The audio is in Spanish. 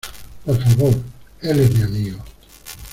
Por favor. Él es mi amigo .